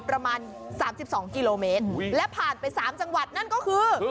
ประมาณ๓๒กิโลเมตรและผ่านไป๓จังหวัดนั่นก็คือ